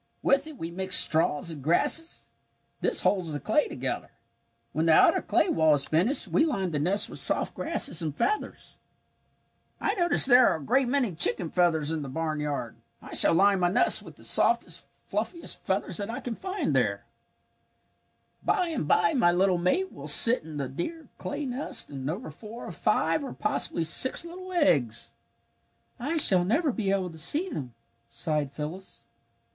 With it we mix straws and grasses. This holds the clay together. When the outer clay wall is finished we line the nest with soft grasses and feathers." [Illustration: "'No robin or chickadee could build such nests as the swallow'"] "I notice there are a great many chicken feathers in the barnyard. I shall line my nest with the softest, fluffiest feathers that I can find there. "By and bye my little mate will sit in the dear clay nest and over four or five or possibly six little eggs." "I shall never be able to see them," sighed Phyllis.